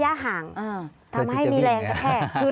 ระยะหางทำให้มีแรงแคบ